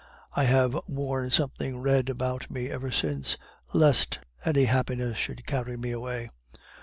I have worn something red about me ever since, lest any happiness should carry me away."